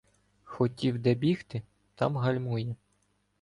Хотів де бігти — там гальмує.